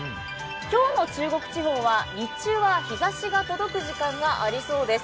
今日の中国地方は日中は日ざしが届く時間がありそうです。